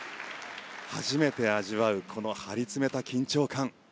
初めて味わうこの張り詰めた緊張感。